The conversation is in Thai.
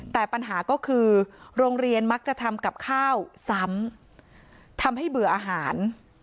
แต่ปัญหาก็คือโรงเรียนมักจะทำกับข้าวซ้ำทำให้เบื่ออาหาร